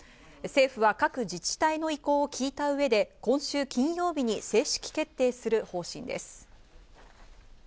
政府は各自治体の意向を聞いた上で今週金曜日に正式決定する方針です。